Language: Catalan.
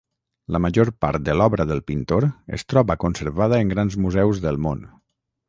La major part de l'obra del pintor es troba conservada en grans museus del món.